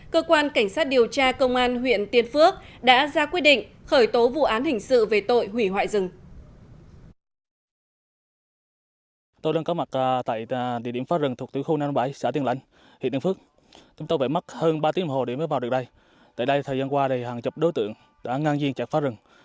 cơ quan cảnh sát điều tra công an huyện tiên phước đã ra quyết định khởi tố vụ án hình sự về tội hủy hoại rừng